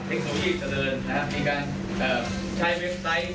เทคโนโลยีเจริญนะครับมีการใช้เว็บไซต์